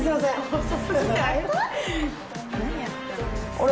あれ？